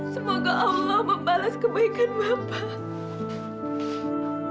semoga allah membalas kebaikan mama